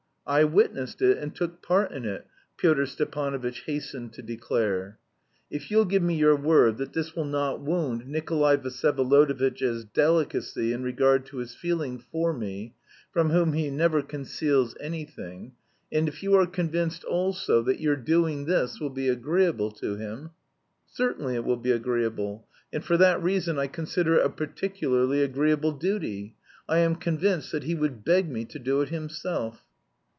"I witnessed it, and took part in it," Pyotr Stepanovitch hastened to declare. "If you'll give me your word that this will not wound Nikolay Vsyevolodovitch's delicacy in regard to his feeling for me, from whom he ne e ver conceals anything... and if you are convinced also that your doing this will be agreeable to him..." "Certainly it will be agreeable, and for that reason I consider it a particularly agreeable duty. I am convinced that he would beg me to do it himself."